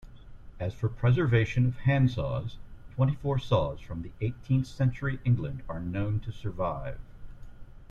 As for preservation of handsaws, twenty-four saws from eighteenth-century England are known to survive.